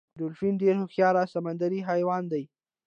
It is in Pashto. ډولفین ډیر هوښیار سمندری حیوان دی